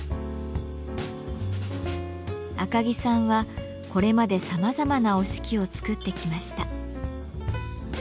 赤木さんはこれまでさまざまな折敷を作ってきました。